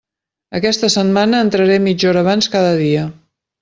Aquesta setmana entraré mitja hora abans cada dia.